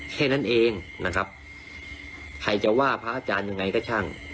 แค่นั้นเองนะครับใครจะว่าพระอาจารย์ยังไงก็ช่าง